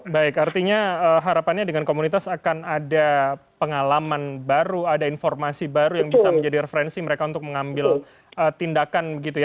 baik artinya harapannya dengan komunitas akan ada pengalaman baru ada informasi baru yang bisa menjadi referensi mereka untuk mengambil tindakan begitu ya